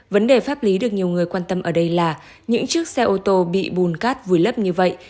vấn đề pháp lý được nhiều người quan tâm ở đây là những chiếc xe ô tô bị bùn cát vùi lấp như vậy